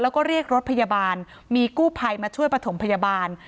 แล้วก็เรียกรถพยาบาลมีกู้ภัยมาช่วยประถมพยาบาล